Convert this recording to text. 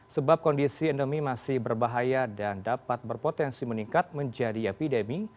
sebab kondisi endemi masih berbahaya dan dapat berpotensi meningkat menjadi epidemi